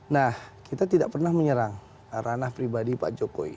nah kita tidak pernah menyerang ranah pribadi pak jokowi